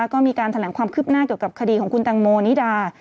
ก็มีการแถลงความคืบหน้าเกี่ยวกับคดีของคุณตังโมนิดา